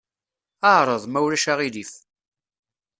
Ɛreḍ, ma ulac aɣilif.